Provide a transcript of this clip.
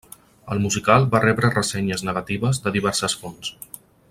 El musical va rebre ressenyes negatives de diverses fonts.